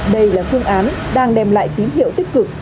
đây là phương án đang đem lại tín hiệu tích cực